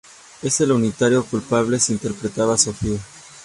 En el unitario "Culpables" interpretaba a Sofía.